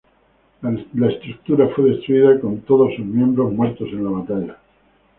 La estructura fue destruida con todos sus miembros muertos en la batalla.